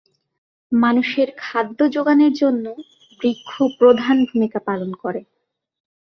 মানুষের খাদ্য যোগানের জন্য বৃক্ষ প্রধান ভূমিকা পালন করে।